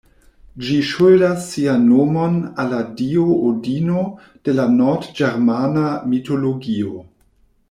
Ĝi ŝuldas sian nomon al la dio Odino de la nord-ĝermana mitologio.